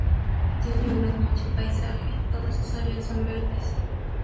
Tiene un hermoso paisaje, todas sus áreas son verdes.